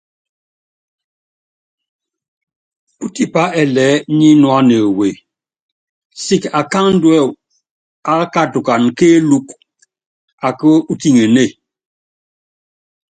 Pútipá ɛɛlɛɛ́ nyínúana ewe, siki akáandú ákatukana kéélúkú akí utiŋenée.